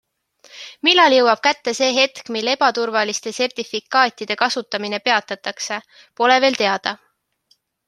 Millal jõuab kätte see hetk, mil ebaturvaliste sertifikaatide kasutamine peatatakse, pole veel teada.